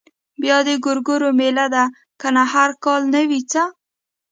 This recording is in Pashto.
بيا د ګورګورو مېله ده کنه هر کال نه وي څه.